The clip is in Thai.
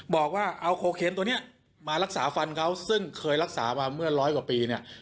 บอกว่าเอาโคเคนตัวนี้มารักษาฟันเขาซึ่งเคยรักษามาเมื่อร้อยกว่าปีเนี่ย